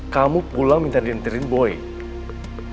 kamu pulang minta diantirin boyg